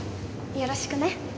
よろしくね。